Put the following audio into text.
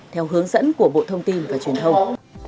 theo hướng dẫn của bộ thông tin và truyền thông